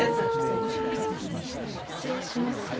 あ失礼します